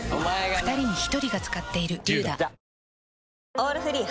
「オールフリー」